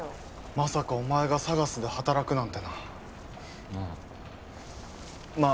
まさかお前がＳＡＧＡＳで働くなんてなああまあ